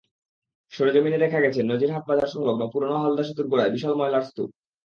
সরেজমিনে দেখা গেছে, নাজিরহাট বাজার–সংলগ্ন পুরোনো হালদা সেতুর গোড়ায় বিশাল ময়লার স্তূপ।